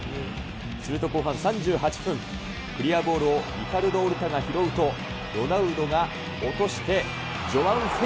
すると後半３８分、クリアボールをリカルドオルカが拾うと、ロナウドが落として、。